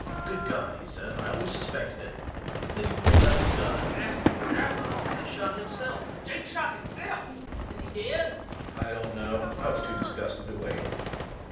"Good God," he said, "I always suspected it." Then he pulled out his gun LUKE. Eh ... eh? REVENUE. And shot himself. LUKE. Jake shot hisself!... Is he dead? REVENUE. I don't know I was too disgusted to wait.